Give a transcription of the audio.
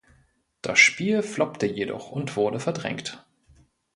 Das Spiel floppte jedoch und wurde verdrängt.